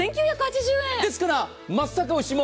ですから松阪牛も。